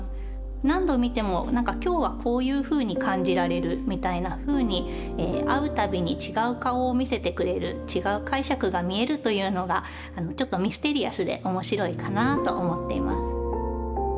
何度見ても今日はこういうふうに感じられるみたいなふうに会う度に違う顔を見せてくれる違う解釈が見えるというのがちょっとミステリアスで面白いかなあと思っています。